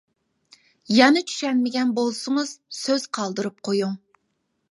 يەنە چۈشەنمىگەن بولسىڭىز سۆز قالدۇرۇپ قويۇڭ!